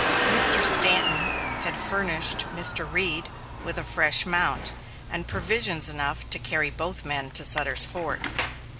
Mr. Stanton had furnished Mr. Reed with a fresh mount, and provisions enough to carry both men to Sutter's Fort.